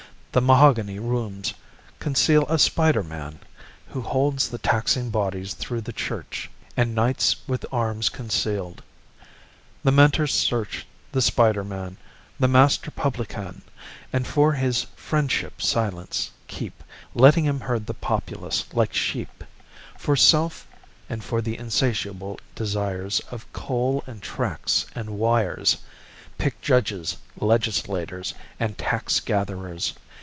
The mahogany rooms conceal a spider man Who holds the taxing bodies through the church, And knights with arms concealed. The mentors search The spider man, the master publican, And for his friendship silence keep, Letting him herd the populace like sheep For self and for the insatiable desires Of coal and tracks and wires, Pick judges, legislators, And tax gatherers.